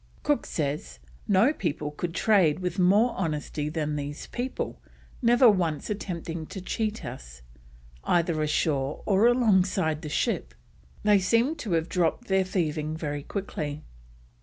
Cook says: "No people could trade with more honesty than these people, never once attempting to cheat us, either ashore or alongside the ship." They seem to have dropped their thieving very quickly.